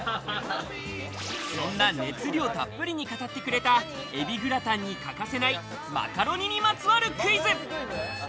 そんな熱量たっぷりに語ってくれた海老グラタンに欠かせないマカロニにまつわるクイズ。